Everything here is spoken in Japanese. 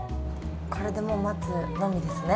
これでもう待つのみですね。